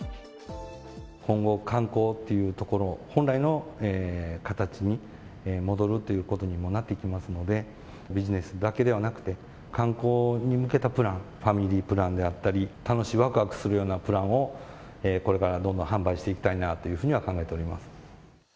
今後、観光っていうところ、本来の形に戻るということにもなってきますので、ビジネスだけではなくて、観光に向けたプラン、ファミリープランであったり、楽しいわくわくするようなプランを、これからどんどん販売していきたいなというふうには考えております。